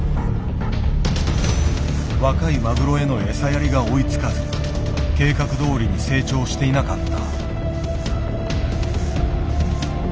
若いマグロへの餌やりが追いつかず計画どおりに成長していなかった。